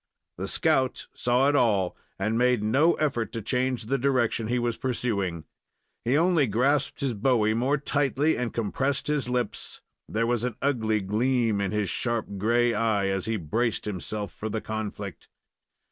The scout saw it all, and made no effort to change the direction he was pursuing. He only grasped his bowie the more tightly and compressed his lips. There was an ugly gleam in his sharp gray eye as he braced himself for the conflict.